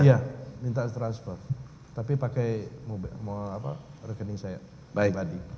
iya minta transfer tapi pakai rekening saya pribadi